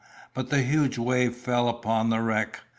But the huge wave fell upon the wreck.